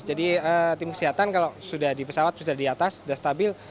jadi tim kesehatan kalau sudah di pesawat sudah di atas sudah stabil